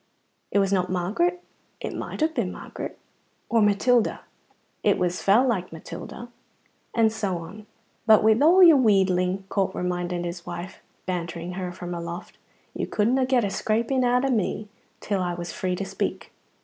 It was not Margaret? It might have been Margaret. Or Matilda? It was fell like Matilda. And so on. "But wi' a' your wheedling," Corp reminded his wife, bantering her from aloft, "you couldna get a scraping out o' me till I was free to speak."